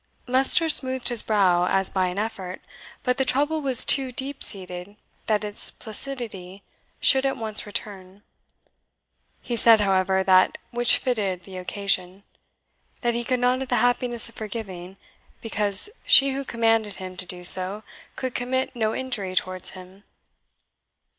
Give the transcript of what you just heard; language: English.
Leicester smoothed his brow, as by an effort; but the trouble was too deep seated that its placidity should at once return. He said, however, that which fitted the occasion, "That he could not have the happiness of forgiving, because she who commanded him to do so could commit no injury towards him."